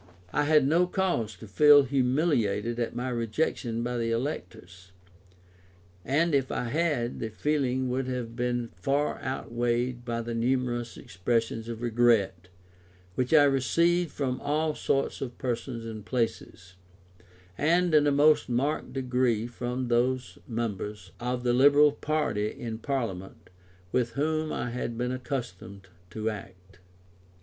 I had no cause to feel humiliated at my rejection by the electors; and if I had, the feeling would have been far outweighed by the numerous expressions of regret which I received from all sorts of persons and places, and in a most marked degree from those members of the liberal party in Parliament, with whom I had been accustomed to act.